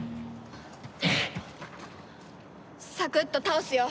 サクッと倒すよ！